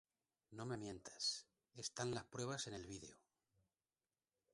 No me mientas, están las pruebas en el vídeo.